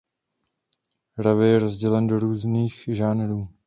Rave je rozdělen do různých žánrů.